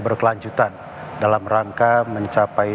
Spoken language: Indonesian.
berkelanjutan dalam rangka mencapai